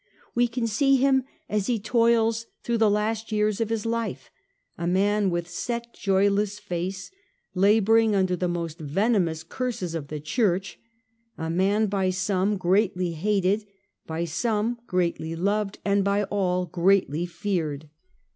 We can see him as he toils through the last years of his life, a man with set joyless face, labouring under the most venomous curses of the Church ; a man by some greatly hated, by some greatly loved, and by all greatly feared.